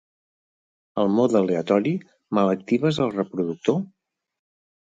El mode aleatori, me l'actives al reproductor?